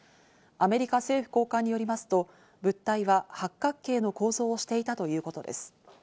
アメリカ政府高官によりますと、物体は八角形の構造をしていたということです。